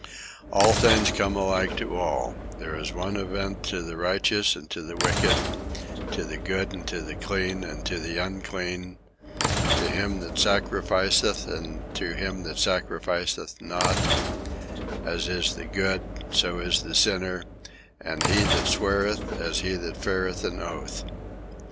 "All things come alike to all; there is one event to the righteous and to the wicked; to the good and to the clean, and to the unclean; to him that sacrificeth, and to him that sacrificeth not; as is the good, so is the sinner; and he that sweareth, as he that feareth an oath.